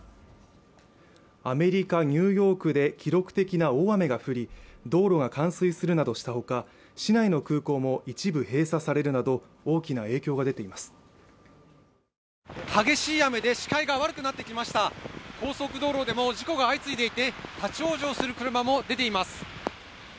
アメリカ・ニューヨークで記録的な大雨が降り道路が冠水するなどしたほか市内の空港も一部閉鎖されるなど大きな影響が出ています激しい雨で視界が悪くなってきました高速道路でも事故が相次いでいて立ち往生する車も出ています